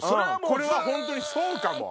これは本当にそうかも。